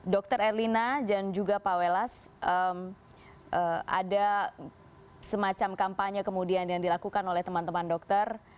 dr erlina dan juga pak welas ada semacam kampanye kemudian yang dilakukan oleh teman teman dokter